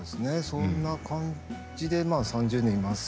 そんな感じでまあ３０年いますね。